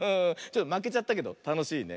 まけちゃったけどたのしいね。